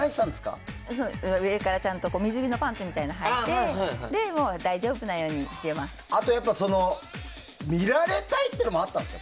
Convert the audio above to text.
上から水着のパンツをはいてあとは見られたいっていうのもあったんですか？